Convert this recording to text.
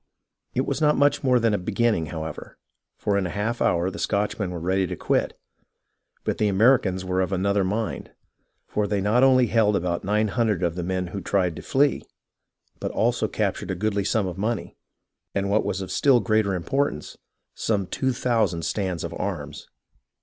It was not much more than a beginning, however, for in a half hour the Scotchmen were ready to quit ; but the Americans were of another mind, for they not only held about nine hun dred of the men who tried to flee, but also captured a goodly sum of money, and what was of still greater importance, some two thousand stands of arms.